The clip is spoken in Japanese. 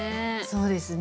そうですね。